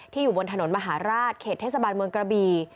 อยู่บนถนนมหาราชเขตเทศบาลเมืองกระบี